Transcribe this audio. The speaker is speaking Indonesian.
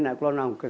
saya sudah menangis